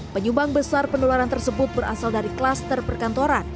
penyumbang besar penularan tersebut berasal dari kluster perkantoran